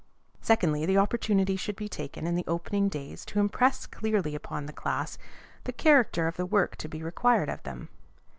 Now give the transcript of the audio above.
Secondly, the opportunity should be taken in the opening days to impress clearly upon the class the character of the work to be required of them.